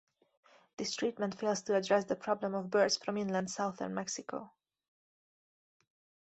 This treatment fails to address the problem of birds from inland southern Mexico.